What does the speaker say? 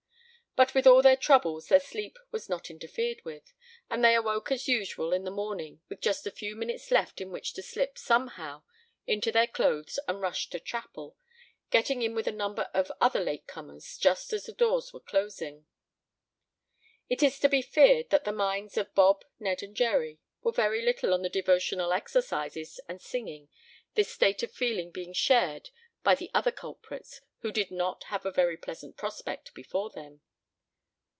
But with all their troubles their sleep was not interfered with, and they awoke as usual in the morning with just a few minutes left in which to slip, somehow, into their clothes and rush to chapel, getting in with a number of other latecomers, just as the doors were closing. It is to be feared that the minds of Bob, Ned and Jerry were very little on the devotional exercises and singing, this state of feeling being shared by the other culprits, who did not have a very pleasant prospect before them.